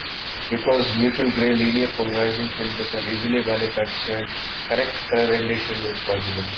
Because neutral-gray linear-polarizing filters are easily manufactured, correct color rendition is possible.